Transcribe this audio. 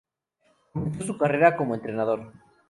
Comenzó su carrera como entrenador.